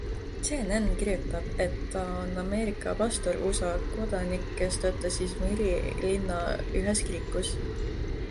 CNN kirjutab, et ta on Ameerika pastor, USA kodanik, kes töötas Izmiri linna ühes kirikus.